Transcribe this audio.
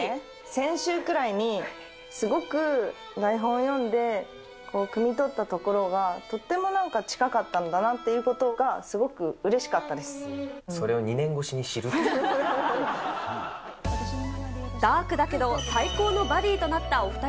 先週くらいに、すごく台本を読んで、くみ取ったところが、とってもなんか近かったんだなということが、すごくうれしかったそれを２年越しに知るっていダークだけど最高のバディとなったお２人。